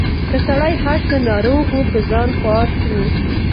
که سړی هر څه ناروغ وو په ځان خوار وو